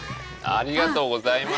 ありがとうございます。